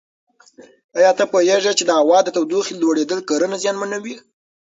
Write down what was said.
ایا ته پوهېږې چې د هوا د تودوخې لوړېدل کرنه زیانمنوي؟